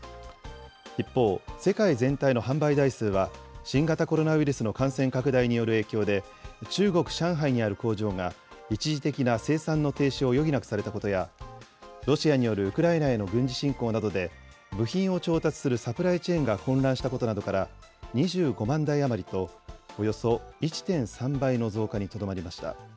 一方、世界全体の販売台数は、新型コロナウイルスの感染拡大による影響で、中国・上海にある工場が、一時的な生産の停止を余儀なくされたことや、ロシアによるウクライナへの軍事侵攻などで、部品を調達するサプライチェーンが混乱したことなどから、２５万台余りと、およそ１．３倍の増加にとどまりました。